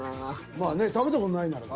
まあね食べた事ないなら。